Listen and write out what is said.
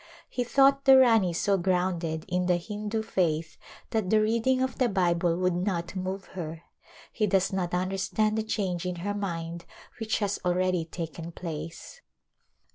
He thought the Rani so grounded in the Hindu faith that the reading of the Bible would not move her. He does not under [294 J A Marriage Arrangement stand the change in her mind which has already taken place.